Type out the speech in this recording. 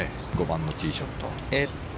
５番のティーショット。